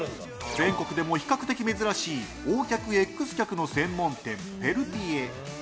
全国でも比較的珍しいＯ脚Ｘ脚の専門店、ペルピエ。